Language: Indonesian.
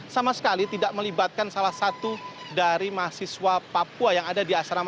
sama sekali tidak melibatkan salah satu dari mahasiswa